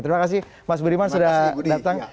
terima kasih mas budiman sudah datang